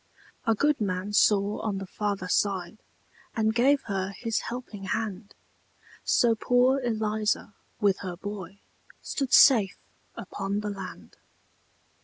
A good man saw on the farther side, And gave her his helping hand; So poor Eliza, with her boy, Stood safe upon the land.